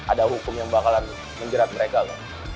ada hukum yang bakalan menjerat mereka loh